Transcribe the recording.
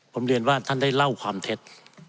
ผมเรียนว่าท่านได้เล่าความเท็จ